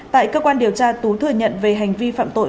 tại cơ quan điều tra tú thừa nhận về hành vi phạm tội